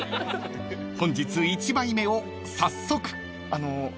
［本日１枚目を早速］